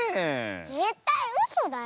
ぜったいうそだよ。